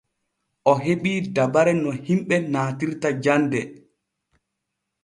O heɓii dabare no himɓe naatirta jande.